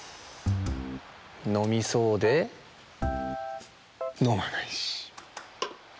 のみそうでのまないし。